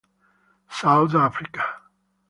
South Africa.